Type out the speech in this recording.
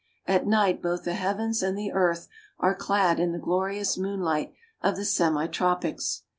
At night both the heavens and the earth are clad in the glorious moonlight of the semi tropics.